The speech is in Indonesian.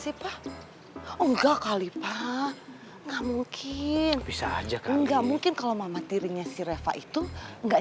enggak kali pak nggak mungkin bisa aja nggak mungkin kalau mama tirinya si reva itu enggak